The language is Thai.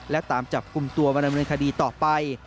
และตามจับกลุ่มตัวมาดำเนินคดีต่อไป